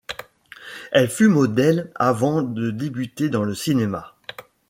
Elle fut modèle avant de débuter dans le cinéma.